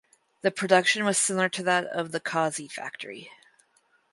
The production was similar to that of the Cozzi factory.